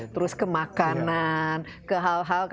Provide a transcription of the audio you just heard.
terus ke makanan ke hal hal